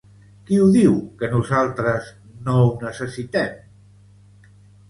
Qui ho diu que nosaltres no ho necessitem?